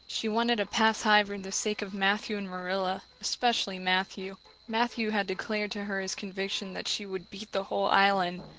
She wanted to "pass high" for the sake of Matthew and Marilla especially Matthew. Matthew had declared to her his conviction that she "would beat the whole Island."